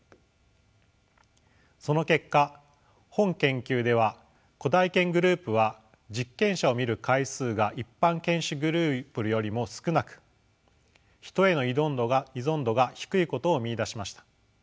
その結果本研究では古代犬グループは実験者を見る回数が一般犬種グループよりも少なくヒトへの依存度が低いことを見いだしました。